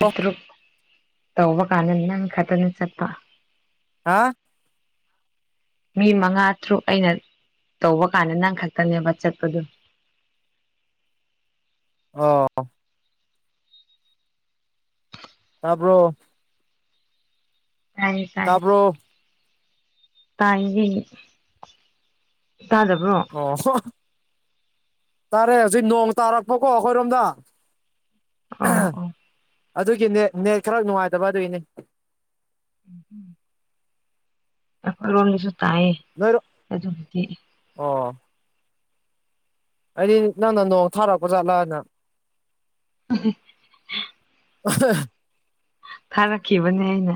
ꯑꯣ ꯇꯧꯕ ꯀꯥꯟꯗ ꯅꯪ ꯈꯛꯇꯅ ꯆꯠꯄ ꯍꯥ ꯃꯤ ꯃꯉꯥ ꯇꯔꯨꯛ ꯑꯩꯅ ꯇꯧꯕ ꯀꯥꯟꯗ ꯅꯪ ꯈꯛꯇꯅꯦꯕ ꯆꯠꯄꯗꯣ ꯑꯥ꯫ ꯇꯕ꯭ꯔꯣ꯫ [unintelligible] ꯊꯅꯤ ꯊꯥꯏ꯫ ꯇꯥꯕ꯭ꯔꯣ ꯇꯥꯏꯒꯤ ꯇꯥꯗꯕ꯭ꯔꯣ꯫ ꯑꯣ ꯇꯥꯔꯦ ꯍꯧꯖꯤꯛ ꯅꯣꯡ ꯇꯥꯔꯛꯄꯀꯣ ꯑꯩꯈꯣꯏꯔꯣꯝꯗ꯫ ꯑꯣ ꯑꯣ ꯑꯗꯨꯒꯤꯅꯦ ꯅꯦꯠ ꯈꯔ ꯅꯨꯡꯉꯥꯏꯇꯕ ꯑꯗꯨꯒꯤꯅꯦ꯫ ꯎꯝ ꯎꯝ꯫ ꯑꯩꯈꯣꯏꯔꯣꯝꯒꯤꯁꯨ ꯇꯥꯏꯌꯦ ꯅꯣꯏꯔꯣ ꯑꯗꯨꯒꯤꯗꯤ꯫ ꯑꯣ꯫ ꯑꯩꯗꯤ ꯅꯪꯅ ꯅꯣꯠ ꯊꯥꯔꯛꯄ ꯖꯥꯠꯂꯅ꯫ ꯑꯝꯍꯝ ꯍꯝ ꯑꯍ ꯊꯥꯔꯛꯈꯤꯕꯅꯦ ꯑꯩꯅ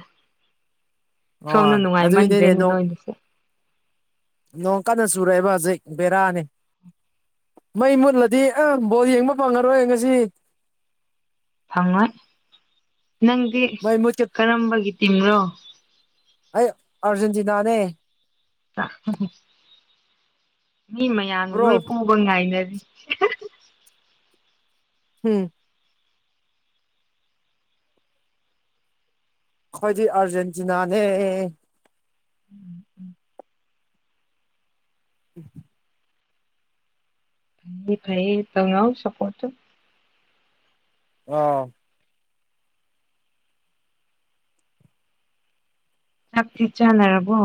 ꯁꯣꯝꯗ ꯍꯣꯏ ꯑꯗꯨꯒꯤꯅꯤꯅꯦ ꯅꯨꯡꯉꯥꯏꯃꯟꯗ꯭ꯔꯦꯅꯦ ꯅꯣꯡ ꯅꯣꯏꯒꯤꯁꯦ꯫ ꯅꯣꯡ ꯀꯟꯅ ꯆꯨꯔꯛꯑꯦꯕ ꯍꯧꯖꯤꯛ ꯕꯦꯔꯥꯅꯤ꯫ ꯃꯩ ꯃꯨꯠꯂꯗꯤ ꯑ ꯕꯣꯜ ꯌꯦꯡꯕ ꯐꯪꯉꯔꯣꯏ ꯉꯁꯤ꯫ ꯐꯪꯉꯣꯏ ꯅꯪꯗꯤ ꯃꯩ ꯃꯨꯠꯀꯦ ꯀꯔꯝꯕꯒꯤ ꯇꯤꯝꯅꯣ꯫ ꯑꯩ ꯑꯔꯖꯦꯟꯇꯤꯅꯥꯅꯦ꯫ ꯃꯤ ꯃꯌꯥꯝꯅ ꯕ꯭ꯔꯣ ꯅꯣꯏ ꯄꯣꯕ ꯉꯥꯏꯅꯔꯤ꯫ ꯍꯝ꯫ ꯑꯩꯈꯣꯏꯗꯤ ꯑꯥꯔꯖꯦꯟꯇꯤꯅꯥꯅꯦ꯫ [inaudible] [inaudible] ꯃꯤ ꯐꯩꯌꯦ ꯇꯧꯅꯧ ꯁꯄꯣꯔꯠꯁꯨ꯫ ꯑꯥ ꯆꯥꯛꯇꯤ ꯆꯥꯅꯔꯕꯣ꯫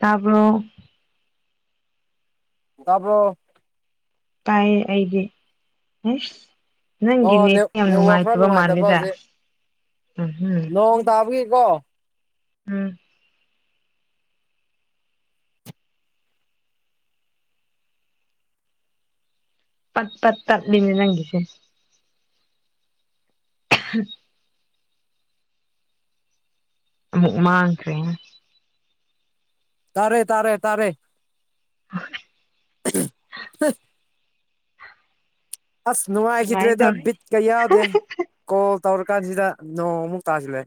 ꯇꯥꯕ꯭ꯔꯣ꯫ ꯇꯥꯕ꯭ꯔꯣ꯫ ꯇꯥꯏꯌꯦ ꯑꯩꯗꯤ ꯑꯦꯁ꯫ ꯅꯪꯒꯤ ꯑꯣ ꯅꯦꯠ ꯌꯥꯝ ꯅꯦꯠꯋꯥꯛ ꯈꯔ ꯅꯨꯡꯉꯥꯏꯇꯕ ꯃꯥꯜꯂꯦꯗ ꯍꯧꯖꯤꯛ ꯎꯝꯍꯝ꯫ ꯅꯣꯡ ꯇꯥꯕꯒꯤꯀꯣ ꯎꯝ꯫ ꯄꯠ ꯄꯠ ꯇꯠꯂꯤꯅꯦ ꯅꯪꯒꯤꯁꯦ꯫ [unintelligible] ꯃꯨꯛ ꯃꯥꯥꯡꯈ꯭ꯔꯦ ꯇꯥꯔꯦ ꯇꯥꯔꯦ ꯇꯥꯔꯦ ꯑꯁ ꯅꯨꯡꯉꯥꯏꯈꯤꯗ꯭ꯔꯦꯗ ꯅꯨꯡꯉꯥꯏꯗꯧꯔꯤ ꯕꯤꯠꯀ ꯌꯥꯎꯗꯦ ꯀꯣꯜ ꯇꯧꯔ ꯀꯥꯟꯁꯤꯗ ꯅꯣꯡꯃꯨꯛ ꯇꯥꯁꯤꯜꯂꯦ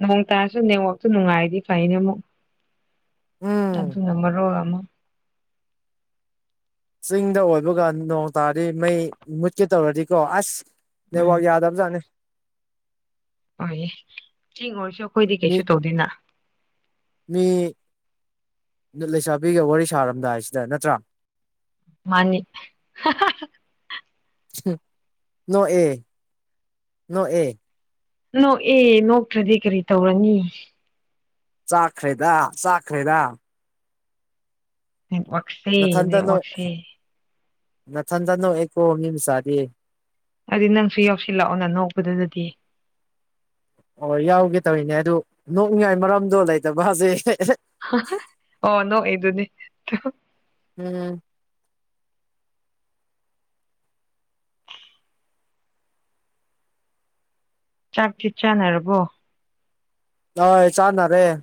ꯅꯣꯡ ꯇꯥꯔꯁꯨ ꯅꯦꯠꯋꯥꯛꯇꯨ ꯅꯨꯡꯉꯥꯏꯔꯗꯤ ꯐꯩꯅꯦ ꯑꯃꯨꯛ ꯎꯝ ꯑꯗꯨꯅ ꯃꯔꯣꯜ ꯑꯃ ꯆꯤꯡꯗ ꯑꯣꯏꯕꯒꯥ ꯅꯣꯡ ꯇꯥꯗꯤ ꯃꯩ ꯃꯨꯠꯀꯦ ꯇꯧꯔꯗꯤꯀꯣ ꯑꯁ ꯅꯦꯠ ꯎꯝ ꯋꯥꯛ ꯌꯥꯗꯕꯖꯥꯠꯅꯤ ꯍꯣꯏꯌꯦ ꯆꯤꯡ ꯑꯣꯏꯔꯁꯨ ꯑꯩꯈꯣꯏꯗꯤ ꯃꯤ ꯀꯩꯁꯨ ꯇꯧꯗꯦꯅ ꯃꯤ ꯂꯩꯁꯥꯕꯤꯒ ꯋꯥꯔꯤ ꯁꯥꯔꯝꯗꯥꯏꯁꯤꯗ ꯅꯠꯇ꯭ꯔꯥ ꯃꯥꯅꯤ ꯑ ꯍꯥ ꯍꯥ ꯍꯨꯝ ꯅꯣꯛꯑꯦ ꯅꯣꯛꯑꯦ꯫ ꯅꯣꯛꯑꯦ ꯅꯣꯛꯇ꯭ꯔꯗꯤ ꯀꯔꯤ ꯇꯧꯒꯅꯤ ꯆꯥꯛꯈ꯭ꯔꯦꯗ ꯆꯥꯈ꯭ꯔꯦꯗ ꯅꯦꯠꯋꯥꯛꯁꯤ ꯅꯦꯠꯋꯥꯛꯁꯦ ꯅꯊꯟꯇ ꯅꯣꯛ ꯑꯦ ꯀꯣ ꯃꯤ ꯃꯆꯥꯗꯤ ꯑꯗꯨꯗꯤ ꯅꯪꯁꯨ ꯌꯧꯁꯤꯜꯂꯛꯑꯣ ꯅ ꯅꯣꯛꯄꯗꯨꯗꯗꯤ ꯑꯣ ꯌꯥꯎꯒꯦ ꯇꯧꯔꯤꯅꯦ ꯑꯗꯨ ꯅꯣꯛꯅꯤꯡꯉꯥꯏ ꯃꯔꯝꯗꯣ ꯂꯩꯇꯕ ꯍꯧꯖꯤꯛ ꯑꯣ ꯅꯣꯛꯏꯗꯨꯅꯤ ꯎꯝ ꯆꯥꯛꯇꯤ ꯆꯥꯅꯔꯕꯣ ꯑꯣꯢ [unintelligible] ꯆꯥꯟꯅꯔꯦ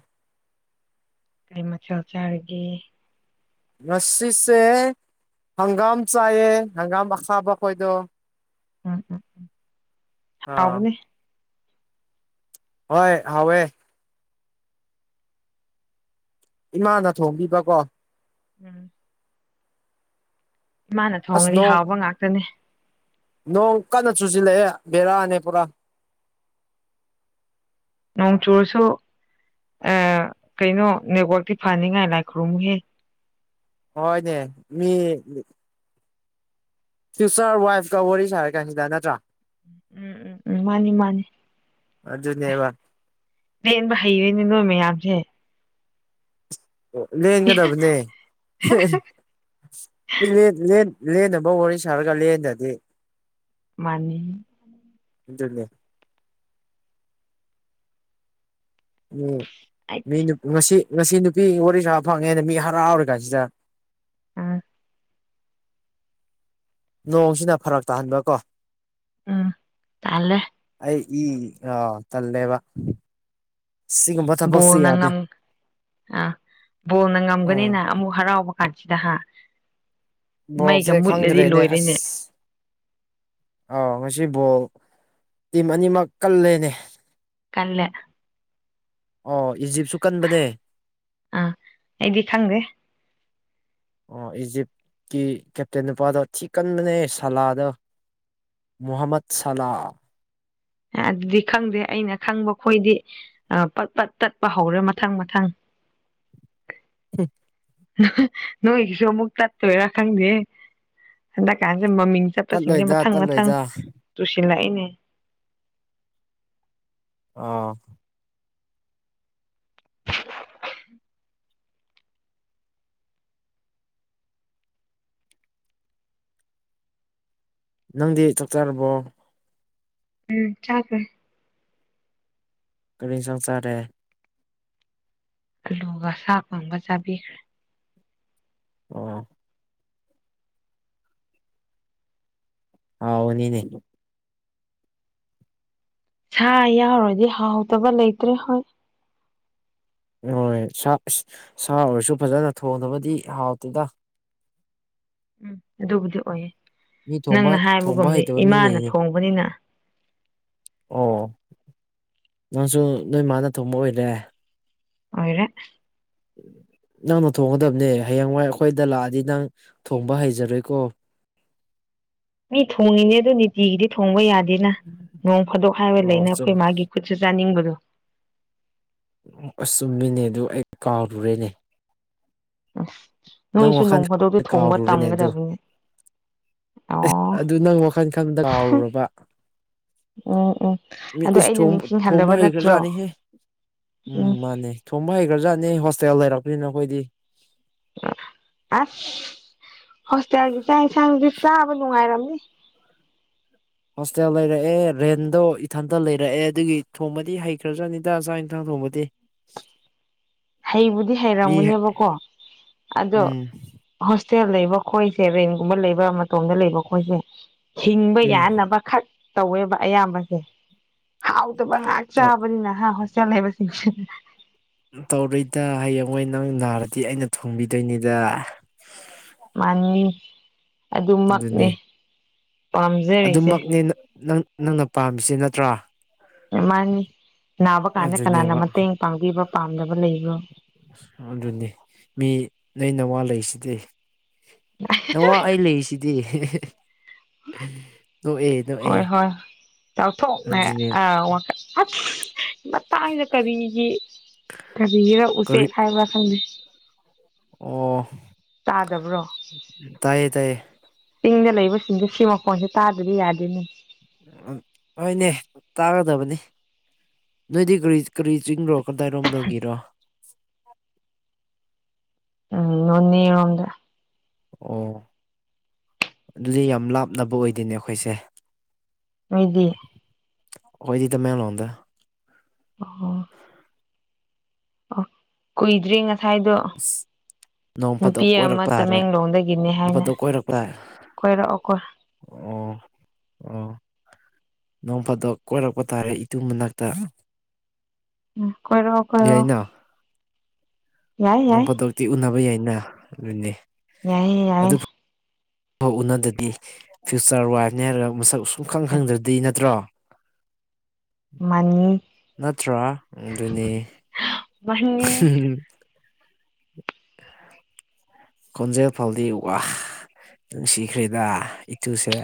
ꯀꯩ ꯃꯊꯦꯜ ꯆꯥꯔꯒꯦ ꯉꯁꯤꯁꯦ ꯍꯪꯒꯥꯝ ꯆꯥꯏꯌꯦ ꯍꯪꯒꯥꯝ ꯑꯈꯥꯕ ꯈꯣꯏꯗꯣ ꯎꯝ ꯎꯝ ꯑꯥ ꯍꯥꯎꯕꯅꯦ ꯍꯣꯏ ꯍꯥꯋꯦ ꯏꯃꯥꯅ ꯊꯣꯡꯕꯤꯕꯀꯣ ꯎꯝ ꯃꯥꯅ ꯑꯁ ꯊꯣꯡꯉꯗꯤ ꯅꯣꯡ ꯍꯥꯎꯕ ꯉꯥꯛꯇꯅꯤ ꯅꯣꯡ ꯀꯟꯅ ꯆꯨꯖꯤꯜꯂꯛꯑꯦ ꯕꯦꯔꯥꯅꯦ ꯄꯨꯔꯥ ꯅꯣꯡ ꯆꯨꯔꯁꯨ ꯑꯥ ꯀꯩꯅꯣ ꯅꯦꯠꯋꯥꯛꯇꯤ ꯐꯅꯤꯡꯉꯥꯏ ꯂꯥꯏ ꯈꯨꯔꯨꯝꯃꯨꯍꯦ ꯍꯣꯏꯅꯦ ꯃꯤ ꯐ꯭ꯌꯨꯆꯔ ꯋꯥꯏꯐꯀꯥ ꯋꯥꯔꯤ ꯁꯥꯔꯤ ꯀꯥꯟꯁꯤꯗ ꯅꯠꯇ꯭ꯔꯥ ꯎꯝ ꯎꯝ ꯃꯥꯅꯤ ꯃꯥꯅꯤ ꯑꯗꯨꯅꯦꯕ ꯂꯦꯟꯕ ꯍꯩꯔꯦꯅꯦ ꯅꯣꯢ ꯃꯌꯥꯝꯁꯦ ꯂꯦꯟꯒꯗꯕꯅꯦ ꯂꯦꯟ ꯂꯦꯟ ꯂꯦꯟꯅꯕ ꯋꯥꯔꯤ ꯁꯥꯔꯒ ꯂꯦꯟꯗꯗꯤ ꯃꯥꯅꯤ ꯑꯗꯨꯅꯤ ꯑꯩ ꯃꯤ ꯉꯁꯤ ꯉꯁꯤ ꯅꯨꯄꯤ ꯋꯥꯔꯤ ꯁꯥꯕ ꯐꯪꯉꯦꯅ ꯃꯤ ꯍꯥꯔꯥꯎꯔ ꯀꯥꯟꯁꯤꯗ ꯎꯝ ꯅꯣꯡꯁꯤꯅ ꯐꯔꯛ ꯇꯥꯍꯟꯕ ꯀꯣ ꯎꯝ ꯇꯂꯦ ꯑꯩ ꯏ ꯑꯥ ꯇꯜꯂꯦꯕ ꯁꯤꯒꯨꯝꯕ ꯊꯕꯛꯁꯦ ꯕꯣꯜꯅ ꯌꯥꯗꯦ ꯉꯝ ꯑ ꯕꯣꯜꯅ ꯎꯝ ꯉꯝꯒꯅꯤꯅ ꯑꯃꯨꯛ ꯍꯔꯥꯎꯕ ꯑꯆꯤꯗꯍꯥ ꯕꯣꯜꯁꯦ ꯈꯪꯗ꯭ꯔꯦꯅꯦ ꯂꯣꯏꯔꯦꯅꯦ ꯑꯁ ꯑꯥꯎ ꯉꯁꯤ ꯕꯣꯜ ꯇꯤꯝ ꯑꯅꯤꯃꯛ ꯀꯜꯂꯦꯅꯦ ꯀꯜꯂ‌ꯦ ꯑꯣ ꯏꯖꯤꯞꯁꯨ ꯀꯟꯕꯅꯦ ꯑꯥ ꯑꯩꯗꯤ ꯈꯪꯗꯦ ꯑꯣ ꯏꯖꯤꯞꯀꯤ ꯀꯦꯞꯇꯦꯟ ꯅꯨꯄꯥꯗꯣ ꯊꯤ ꯀꯟꯕꯅꯦ ꯁꯂꯥꯗꯣ ꯃꯨꯍꯝꯃꯠ ꯁꯂꯥ ꯑꯗꯨꯗꯤ ꯈꯪꯗꯦ ꯑꯩꯅ ꯈꯪꯕ ꯈꯣꯏꯗꯤ ꯄꯠ-ꯄꯠ ꯇꯠꯄ ꯍꯧꯔꯦ ꯃꯊꯪ-ꯃꯊꯪ ꯍꯝ ꯅꯣꯏꯒꯤꯁꯨ ꯑꯃꯨꯛ ꯇꯠꯇꯣꯏꯔꯥ ꯈꯪꯗꯦ ꯍꯟꯗꯛꯀꯥꯟꯁꯦ ꯃꯃꯤꯡ ꯆꯠꯄꯁꯤꯡꯁꯦ ꯇꯠꯂꯣꯏꯗ ꯃꯊꯪ ꯃꯊꯪ ꯇꯠꯂꯣꯏꯗ ꯇꯨꯁꯤꯜꯂꯛꯏꯅꯦ ꯑꯥ ꯅꯪꯗꯤ ꯆꯥꯛ ꯆꯥꯔꯕꯣ ꯎꯝ ꯆꯥꯒꯔꯦ ꯀꯔꯤ ꯏꯟꯖꯥꯡ ꯆꯥꯔꯦ ꯑꯂꯨꯒ ꯁꯥ ꯐꯪꯕ ꯆꯥꯕꯤꯈ꯭ꯔꯦ ꯑꯣ ꯑꯥꯎ ꯅꯅꯦ ꯁꯥ ꯌꯥꯎꯔꯗꯤ ꯍꯥꯎꯇꯕ ꯂꯩꯇ꯭ꯔꯦ ꯍꯣꯏ ꯍꯣꯏ ꯁꯥ ꯁꯥ ꯑꯣꯏꯔꯁꯨ ꯐꯖꯅ ꯊꯣꯡꯗꯕꯗꯤ ꯍꯥꯎꯇꯦꯗ [inaudible] ꯎꯝ ꯑꯗꯨꯕꯨꯗꯤ ꯑꯣꯏꯌꯦ ꯃꯤ ꯊꯣꯡꯕ ꯅꯪꯅ ꯊꯣꯡꯕ ꯍꯥꯏꯕꯒꯨꯝꯗꯤ ꯍꯩꯇꯕ ꯃꯤ ꯏꯃꯥꯅ ꯂꯩꯅꯦ ꯊꯣꯡꯕꯅꯤꯅ ꯑꯣ ꯅꯪꯁꯨ ꯅꯣꯏ ꯃꯥꯅ ꯊꯣꯡꯕ ꯑꯣꯏꯔꯦ ꯑꯣꯏꯔꯦ ꯅꯪꯅ ꯊꯣꯡꯒꯗꯕꯅꯦ ꯍꯌꯦꯡꯋꯥꯏ ꯑꯩꯈꯣꯏꯗ ꯂꯥꯛꯑꯗꯤ ꯅꯪ ꯊꯣꯡꯕ ꯍꯩꯖꯔꯣꯏꯀꯣ ꯃꯤ ꯊꯣꯡꯉꯤꯅꯦ ꯑꯗꯨ ꯅꯤꯇꯤꯒꯤꯗꯤ ꯊꯣꯡꯕ ꯌꯥꯗꯦꯅ ꯅꯣꯡ ꯐꯥꯗꯣꯛ ꯍꯥꯏꯔ ꯑꯣ ꯂꯩꯅ ꯆꯨꯝ ꯑꯩꯈꯣꯏ ꯃꯥꯒꯤ ꯈꯨꯠꯁꯨ ꯆꯥꯅꯤꯡꯕꯗꯣ ꯑꯁ ꯆꯨꯝꯃꯤꯅꯦ ꯑꯗꯨ ꯑꯩ ꯀꯥꯎꯔꯨꯔꯦꯅꯦ ꯑꯁ ꯅꯪ ꯅꯣꯏꯁꯨ ꯋꯥꯈꯜ ꯅꯣꯡ ꯐꯥꯗꯣꯛꯇꯤ ꯊꯣꯡꯕ ꯀꯥꯎꯔꯨꯔꯦꯅꯦ ꯑꯗꯨ ꯇꯝꯒꯗꯕꯅꯤ ꯑꯦ ꯑꯣ ꯑꯗꯨ ꯅꯪ ꯋꯥꯈꯜ ꯈꯟꯕꯗ ꯀꯥꯎꯔꯨꯔꯕ ꯎꯝ ꯎꯝ ꯃꯤ ꯑꯗꯣ ꯏꯁ ꯑꯩꯅ ꯊ‌ꯣꯡꯕ ꯅꯤꯡꯁꯤꯡꯍꯜꯂꯕ ꯅꯠꯇ꯭ꯔꯣ ꯍꯩꯒꯔꯆꯥꯅꯤꯍ‌ꯦ ꯎꯝ ꯃꯥꯅꯦ ꯊꯣꯡꯕ ꯍꯩꯈ꯭ꯔꯖꯥꯠꯅꯦ ꯍꯣꯁꯇꯦꯜ ꯂꯩꯔꯛꯄꯅꯤꯅ ꯑꯩꯈꯣꯏꯗꯤ ꯑꯁ ꯍꯣꯁꯇꯦꯜꯒꯤ ꯆꯥꯛ ꯌꯦꯟꯁꯥꯡꯗꯤ ꯆꯥꯕ ꯅꯨꯡꯉꯥꯏꯔꯝꯅꯤ ꯍꯣꯁꯇꯦꯜ ꯂꯩꯔꯛꯑꯦ ꯔꯦꯟꯗꯣ ꯏꯊꯟꯇ ꯂꯩꯔꯛꯑꯦ ꯑꯗꯨꯒꯤ ꯊꯣꯡꯕꯗꯤ ꯍꯩꯈ꯭ꯔꯖ꯭ꯔꯥꯅꯤꯗ ꯆꯥꯛ ꯏꯟꯁꯥꯡ ꯊꯣꯡꯕꯗꯤ ꯍꯩꯕꯨꯗꯤ ꯃꯤ ꯍꯩꯔꯝꯒꯅꯦꯕꯀꯣ ꯑꯗꯣ ꯎꯝ ꯍꯣꯁꯇꯦꯜ ꯂꯩꯕ ꯈꯣꯏꯁꯦ ꯔ‌ꯦꯟꯒꯨꯝꯕ ꯂꯩꯕ ꯃꯇꯣꯝꯗ ꯂꯩꯕ ꯈꯣꯏꯁꯦ ꯍꯤꯡꯕ ꯎꯝ ꯌꯥꯅꯕꯈꯛ ꯇꯧꯋꯦꯕ ꯑꯌꯥꯝꯕꯁꯦ ꯍꯥꯎ ꯇꯕ ꯉꯥꯛ ꯆꯕꯅꯤꯅ ꯍꯥ ꯍꯣꯁꯇ‌ꯦꯜ ꯂꯩꯕꯁꯤꯡꯁ‌ꯦ ꯇꯧꯔꯣꯏꯗ ꯍꯌꯦꯡꯋꯥꯏ ꯅꯪ ꯅꯥꯔꯗꯤ ꯑꯩꯅ ꯊꯣꯡꯕꯤꯗꯣꯏꯅꯤꯗ ꯃꯥꯅꯤ ꯑꯗꯨꯃꯛꯅꯦ ꯑꯗꯨꯅꯦ ꯄꯥꯝꯖꯔꯤꯁꯦ ꯑꯗꯨꯃꯛꯅꯦ ꯅꯪ ꯅꯪꯅ ꯄꯥꯝꯃꯤꯁꯤ ꯅꯠꯇ꯭ꯔ ꯃꯥꯅꯤ ꯅꯥꯕ ꯀꯥꯟꯗ ꯀꯅꯥꯅ ꯑꯗꯨꯅꯦꯕ ꯃꯇꯦꯡ ꯄꯥꯡꯕꯤꯕ ꯄꯥꯝꯗꯕ ꯂꯩꯕ꯭ꯔ ꯑ ꯑꯗꯨꯅꯤ ꯃꯤ ꯅꯣꯏ ꯅꯋꯥ ꯂꯩꯁꯤꯗꯤ ꯅꯋꯥ ꯑꯩ ꯂꯩꯔꯤꯁꯤꯗꯤ ꯍꯣꯏ-ꯍꯣꯏ ꯆꯥꯎꯊꯣꯛꯅꯦ ꯑꯗꯨꯅꯦ ꯑ ꯑꯁ ꯃꯇꯥꯡꯗ ꯀꯔꯤꯒꯤ ꯀꯔꯤꯒꯤꯔ ꯀꯔꯤ ꯎꯆꯦꯛ ꯍꯥꯏꯕ꯭ꯔ ꯈꯪꯅꯩ ꯑꯣ ꯇꯥꯗꯕ꯭ꯔꯣ ꯇꯥꯏꯌꯦ-ꯇꯥꯏꯌꯦ ꯆꯤꯡꯗ ꯂꯩꯕꯁꯤꯡꯁꯤ ꯁꯤ ꯃꯈꯣꯟꯁꯦ ꯇꯥꯗꯗꯤ ꯌꯥꯗꯦꯅꯦ ꯍꯣꯏꯅꯦ ꯇꯥꯒꯗꯕꯅꯤ ꯅꯣꯏꯗꯤ ꯀꯔꯤ-ꯀꯔꯤ ꯆꯤꯡꯔ‍ꯣ ꯀꯗꯥꯏꯔꯣꯝꯗꯔꯒꯤꯔꯣ ꯎꯝ ꯅꯣꯅꯦꯔꯣꯝꯗ ꯑꯣ ꯑꯗꯨꯗꯤ ꯌꯥꯝ ꯂꯥꯞꯅꯕ ꯑꯣꯏꯗꯦꯅꯦ ꯑꯩꯈꯣꯏꯁꯦ ꯅꯣꯏꯗꯤ ꯑꯈꯣꯢꯗꯤ ꯇꯥꯃꯦꯡꯂꯣꯡꯗ ꯑꯣ ꯑꯣ ꯀꯨꯏꯗ꯭ꯔꯤ ꯉꯁꯥꯏꯗꯣ ꯅꯣꯡ ꯅꯨꯄꯤ ꯐꯥꯗꯣꯛ ꯑꯃ ꯀꯣꯏꯔꯛꯄ ꯇꯥꯔꯦ ꯇꯃꯦꯡꯂꯣꯡꯗꯒꯤꯅꯤ ꯅꯣꯡ ꯍꯥꯏꯅꯦ ꯐꯥꯗꯣꯛ ꯀꯣꯏꯔꯛꯄ ꯀꯣꯏꯔꯛꯀꯣꯏ ꯑꯣ ꯑꯣ ꯅꯣꯡ ꯐꯥꯗꯣꯛ ꯀꯣꯏꯔꯛꯄ ꯇꯥꯔꯦ ꯏꯇꯨ ꯃꯅꯥꯛꯇ ꯎꯝ ꯀꯣꯏꯔꯛꯑꯣ ꯀꯣꯏꯔꯛꯑꯣ ꯌꯥꯏꯅ ꯌꯥꯏ ꯅꯣꯡ ꯌꯥꯏ ꯐꯥꯗ‌ꯣꯛꯇꯤ ꯎꯅꯕ ꯌꯥꯏꯅ ꯏꯕꯥꯅꯤ ꯌꯥꯏꯌ‌ꯦ-ꯌꯥꯏꯌ‌ꯦ ꯎꯅꯗ꯭ꯔꯗꯤ ꯐ꯭ꯌꯨꯆꯔ ꯋꯥꯏꯐꯅꯦ ꯍꯥꯏꯔꯒ ꯃꯁꯛ ꯁꯨꯛ ꯈꯪ ꯈꯪꯗ꯭ꯔꯗꯤ ꯅꯠꯇ꯭ꯔꯣ ꯃꯅꯤ ꯅꯠꯇ꯭ꯔꯥ ꯑꯗꯨꯅꯤ ꯃꯅꯤ [unintelligible] ꯈꯣꯟꯖꯦꯜ ꯐꯥꯎꯗꯤ ꯋꯥ ꯅꯨꯡꯁꯤꯈ꯭ꯔꯦꯗ ꯏꯇꯨꯁꯦ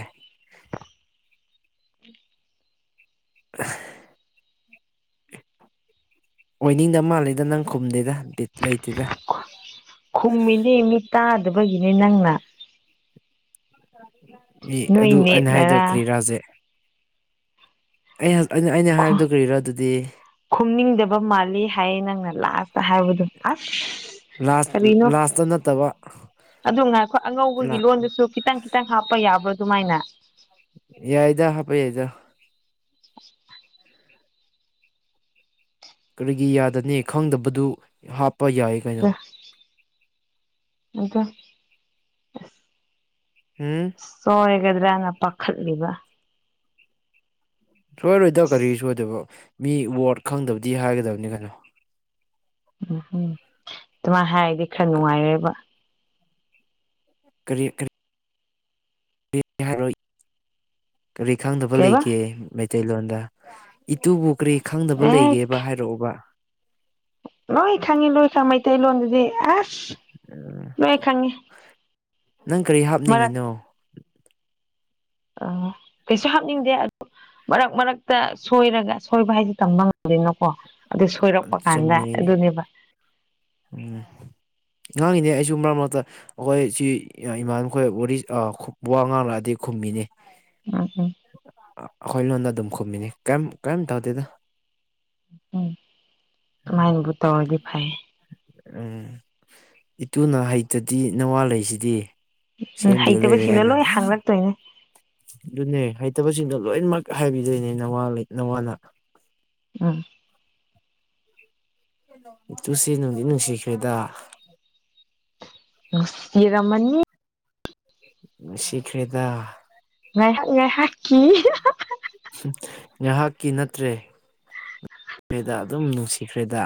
ꯎꯝ [unintelligible] ꯑꯣꯏꯅꯤꯡꯗꯕ ꯃꯥꯜꯂꯤꯗ ꯅꯪ ꯈꯨꯝꯗꯦꯗ ꯕꯤꯠ ꯂꯩꯇꯦꯗ ꯈꯨꯝꯃꯤꯅꯦ ꯃꯤ ꯇꯥꯗꯕꯒꯤꯅꯦ ꯅꯪꯅ ꯃꯤ ꯅꯣꯏ ꯑꯗꯨ ꯑꯩꯅ ꯍꯥꯏꯗꯣ ꯅꯦꯠꯅꯔꯥ ꯀꯔꯤꯔ ꯍꯧꯖꯤꯛ ꯑꯩ ꯑꯩꯅ ꯑꯩꯅ ꯍꯥꯏꯕꯗꯨ ꯀꯔꯤꯔ ꯑꯗꯨꯗꯤ ꯈꯨꯝꯅꯤꯡꯗꯕ ꯃꯥꯜꯂꯤ ꯍꯥꯏꯌꯦ ꯅꯪꯅ ꯂꯥꯁꯇ ꯍꯥꯏꯕꯗ ꯑꯁ ꯂꯥꯁ ꯀꯔꯤꯅꯣ ꯂꯥꯁꯇ ꯅꯠꯇꯕ ꯑꯗꯨ ꯉꯥꯢꯈꯣ ꯂꯥꯁ ꯑꯉꯧꯕꯒꯤ ꯂꯣꯟꯗꯨꯁꯨ ꯈꯤꯇꯪ ꯈꯤꯇꯪ ꯍꯥꯞꯄ ꯌꯥꯕ꯭ꯔꯣ ꯑꯗꯨꯃꯥꯏꯅ ꯌꯥꯏꯗ ꯍꯥꯄ ꯌꯥꯏꯗ [inaudible] ꯀꯔꯤꯒꯤ ꯌꯥꯗꯅꯤ ꯈꯪꯗꯕꯗꯨ ꯍꯥꯞꯄ ꯌꯥꯏ ꯀꯩꯅꯣ [unintelligible] ꯍꯝ ꯁꯣꯏꯒꯗ꯭ꯔꯅ ꯄꯥꯈꯠꯂꯤꯕ ꯁꯣꯏꯔꯣꯏꯗ ꯀꯔꯤ ꯁꯣꯏꯗꯣꯢꯕ ꯃꯤ ꯋꯥꯔꯗ ꯈꯪꯗꯕꯗꯤ ꯍꯥꯏꯒꯗꯕꯅꯤ ꯀꯩꯅꯣ ꯎꯝꯍꯝ ꯑꯗꯨꯃꯥꯏꯅ ꯍꯥꯏꯔꯗꯤ ꯈꯔ ꯅꯨꯡꯉꯥꯏꯔꯦꯕ ꯀꯔꯤ ꯀꯔꯤ ꯍꯥꯏꯔꯣ ꯀꯔꯤ ꯈꯪꯗꯕ ꯀꯩꯕ ꯂꯩꯒꯦ ꯃꯩꯇꯩꯂꯣꯟꯗ ꯏꯇꯨꯕꯨ ꯀꯔꯤ ꯈꯪꯗꯕ ꯑꯦ ꯂꯩꯒꯦꯕ ꯍꯥꯏꯔꯛꯑꯣꯕ ꯂꯣꯏ ꯈꯪꯉꯤ ꯂꯣꯏ ꯈꯪꯉꯤ ꯃꯩꯇꯩꯂꯣꯟꯗꯨꯗꯤ ꯑꯁ ꯂꯣꯢ ꯈꯪꯏ ꯅꯪ ꯀꯔꯤ ꯃꯔꯛ ꯍꯥꯞꯅꯤꯡꯉꯤꯅꯣ ꯑ ꯀꯩꯁꯨ ꯍꯥꯞꯅꯤꯡꯗꯦ ꯑꯗꯨ ꯃꯔꯛ ꯃꯔꯛꯇ ꯁꯣꯏꯔꯒ ꯁꯣꯏꯕ ꯍꯥꯏꯁꯦ ꯇꯝꯕ ꯉꯝꯗꯦꯅꯀꯣ ꯑꯗꯨ ꯁꯣꯏꯔꯛꯄ ꯀꯥꯟꯗ ꯆꯨꯝꯃꯦ ꯑꯗꯨꯅꯦꯕ ꯎꯝ ꯉꯥꯡꯉꯤꯅꯦ ꯑꯩꯁꯨ ꯃꯔꯛ ꯃꯔꯛꯇ ꯑꯩꯈꯣꯏ ꯁꯤ ꯏꯃꯥꯟꯅꯈꯣꯏ ꯋꯥꯔꯤ ꯑ ꯋꯥ ꯉꯥꯡꯂꯛꯑꯗꯤ ꯈꯨꯝꯃꯤꯅꯤ ꯎꯝ ꯎꯝ ꯑꯩꯈꯣꯢ ꯂꯣꯟꯗ ꯑꯗꯨꯝ ꯈꯨꯝꯃꯤꯅꯤ ꯀꯥꯏꯝ ꯀꯥꯏꯝ ꯊꯧꯗꯦꯗ ꯎꯝ ꯑꯃꯥꯏꯅꯕꯨ ꯇꯧꯔꯗꯤ ꯐꯩ ꯎꯝ ꯏꯇꯨꯅ ꯍꯩꯇ꯭ꯔꯗꯤ ꯅꯋꯥ ꯂꯩꯁꯤꯗꯤ ꯎꯝ ꯁꯦꯝꯕꯤ ꯍꯩꯇꯕ ꯂꯩꯔꯦ ꯁꯤꯡꯇꯣ ꯀꯩꯅꯣ ꯂꯣꯢ ꯍꯥꯡꯂꯛꯇꯣꯢꯅꯦ ꯑꯗꯨꯅꯦ ꯍꯩꯇꯕꯁꯤꯡꯗꯣ ꯂꯣꯏꯅꯃꯛ ꯍꯥꯏꯕꯤꯗꯣꯏꯅꯦ ꯅꯋꯥꯂꯩ ꯅꯋꯥꯅ ꯎꯝ ꯏꯇꯨꯁꯤ ꯅꯨꯡꯗꯤ ꯅꯨꯡꯁꯤꯈ꯭ꯔꯦꯗ ꯅꯨꯡꯁꯤꯔꯝꯃꯅꯤ ꯅꯨꯡꯁꯤꯈ꯭ꯔꯦꯗ ꯉꯥꯏꯍꯥꯛ ꯉꯥꯏꯍꯥꯛꯀꯤ ꯉꯥꯏꯍꯥꯛꯀꯤ ꯅꯠꯇ꯭ꯔꯦꯗ ꯑꯗꯨꯝ ꯅꯨꯡꯁꯤꯈ꯭ꯔꯦꯗ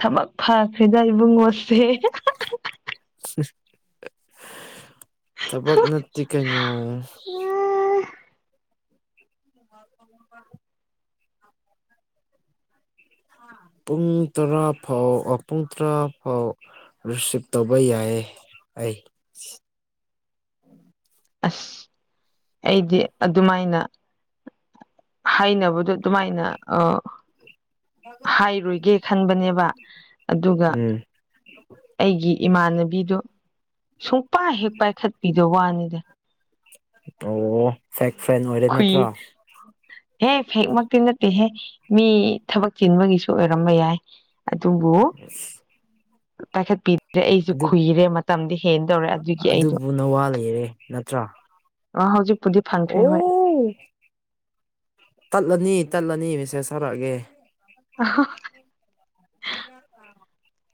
ꯊꯕꯛ ꯐꯈ꯭ꯔ‌ꯦꯗ ꯏꯕꯨꯡꯉꯣꯁꯦ ꯊꯕꯛ ꯅꯠꯇ‌ꯩ ꯀꯩꯅ‌ꯣ [unintelligible] [inaudible] ꯄꯨꯡ ꯇꯔꯥ ꯐꯥꯎ ꯄꯨꯡ ꯇꯔꯥ ꯐꯥꯎ ꯔꯤꯁꯤꯞ ꯇꯧꯕ ꯌꯥꯏꯌꯦ ꯑꯩ ꯑꯁ ꯑꯩꯗꯤ ꯑꯗꯨꯃꯥꯏꯅ ꯍꯥꯏꯅ ꯕꯗ‌ꯣ ꯑꯗꯨꯃꯥꯏꯅ ꯑ ꯍꯥꯏꯔꯣꯏꯒꯦ ꯈꯟꯕꯅꯦꯕ ꯑꯗꯨꯒ ꯎꯝ ꯑꯩꯒꯤ ꯏꯃꯥꯟꯅꯕꯤꯗꯣ ꯁꯨꯡꯄꯥꯏ ꯍꯦꯛ ꯄꯥꯏꯈꯠꯄꯤꯗ ꯋꯥꯅꯤꯗ ꯇꯧꯔꯛꯑꯣ ꯐꯦꯛ ꯐ꯭ꯔꯦꯟ ꯅꯣꯏ ꯈꯨꯏ ꯍꯦ ꯐꯦꯛ ꯃꯛꯇꯤ ꯅꯠꯇꯦꯍꯦ ꯃꯤ ꯊꯕꯛ ꯆꯤꯟꯕꯒꯤꯁꯨ ꯑꯣꯏꯔꯝꯕ ꯌꯥꯏ ꯑꯗꯨꯕꯨ ꯄꯥꯏꯈꯠ ꯄꯤ ꯗ‌ꯦ ꯑꯩꯁꯨ ꯑꯗꯨ ꯈꯨꯨꯏꯔꯦ ꯃꯇꯝꯗꯤ ꯍꯦꯟꯗꯧꯔꯦ ꯑꯗꯨꯒꯤ ꯑꯩꯗꯣ ꯎꯅ ꯋꯥ ꯂꯩꯔꯦ ꯅꯠꯇ꯭ꯔꯥ ꯑ ꯍꯧꯖꯤꯛꯄꯨꯗꯤ ꯐꯪꯈ꯭ꯔꯦ ꯍꯣꯏ ꯑꯣ ꯇꯠꯂꯅꯤ ꯇꯠꯂꯅꯤ ꯃꯦꯁꯦꯁ ꯊꯔꯛꯑꯒꯦ ꯑꯍꯥ [unintelligible] [inaudible] [unintelligible]